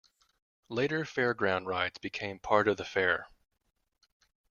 Later fairground rides became part of the fair.